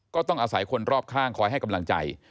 ก็ต้องอาศัยคนรอบข้างคอยให้กำลังใจ